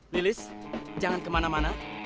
lilis jangan kemana mana